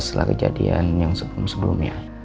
setelah kejadian yang sebelum sebelumnya